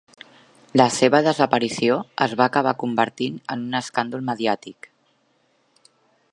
La seva desaparició es va acabar convertint en un escàndol mediàtic.